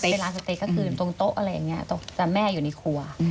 เป็นร้านสเตคตรงโต๊ะอะไรอย่างนี้แต่แม่อยู่ในครัว